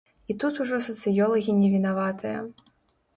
І тут ужо сацыёлагі не вінаватыя.